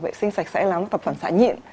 vệ sinh sạch sẽ lắm nó tập phản xạ nhịn